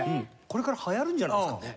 これから流行るんじゃないですかね？